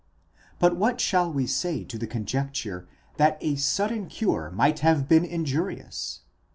But what shall we say to the conjecture that a sudden cure might have been injurious!